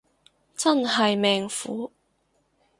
真係命苦